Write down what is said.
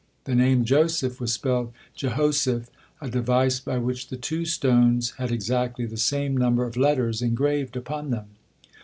The name Joseph was spelled Jehoseph, a device by which the two stones had exactly the same number of letters engraved upon them.